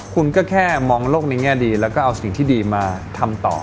คุณก็แค่มองโลกในแง่ดีแล้วก็เอาสิ่งที่ดีมาทำต่อ